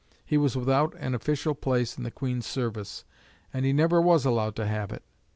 He was without an official place in the Queen's service, and he never was allowed to have it.